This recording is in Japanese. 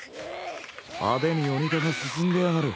派手に鬼化が進んでやがる。